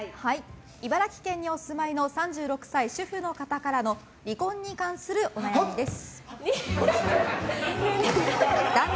茨城県にお住まいの３６歳、主婦の方からの離婚に関するお悩みです。